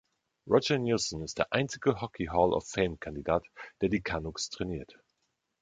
Roger Neilson ist der einzige Hockey Hall of Fame-Kandidat, der die Canucks trainiert.